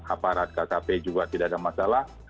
aparat kkp juga tidak ada masalah